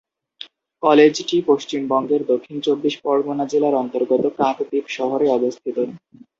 কলেজটি পশ্চিমবঙ্গের দক্ষিণ চব্বিশ পরগনা জেলার অন্তর্গত কাকদ্বীপ শহরে অবস্থিত।